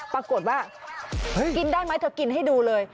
ปรากฏว่ากินได้ไหมเธอกินให้ดูเลย